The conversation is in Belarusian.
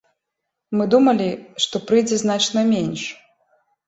Мы думалі, што прыйдзе значна менш.